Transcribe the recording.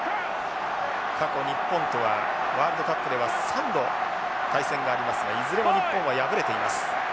過去日本とはワールドカップでは３度対戦がありますがいずれも日本は敗れています。